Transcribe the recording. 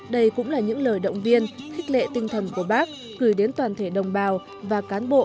đây cũng là những lời động viên khích lệ tinh thần của bác gửi đến toàn thể đồng bào và cán bộ